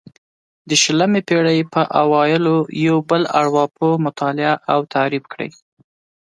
د شلمې پېړۍ په اوایلو یو بل ارواپوه مطالعه او تعریف کړه.